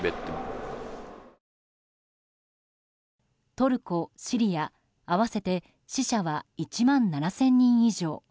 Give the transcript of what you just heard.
トルコ、シリア、合わせて死者は１万７０００人以上。